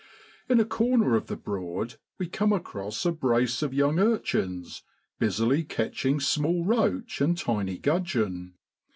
In a corner of the Broad we come across a brace of young urchins, busily catching small roach and tiny gudgeon.